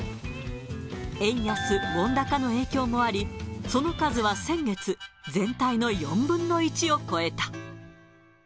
円安ウォン高の影響もあり、その数は先月、全体の４分の１を超えた。